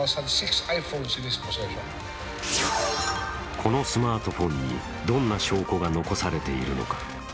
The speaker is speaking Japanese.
このスマートフォンにどんな証拠が残されているのか。